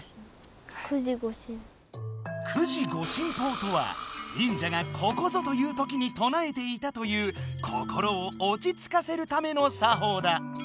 「九字護身法」とは忍者がここぞというときにとなえていたという心をおちつかせるための作法だ。